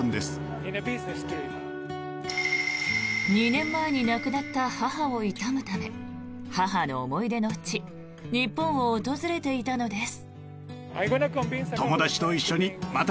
２年前に亡くなった母を悼むため母の思い出の地、日本を訪れていたのです。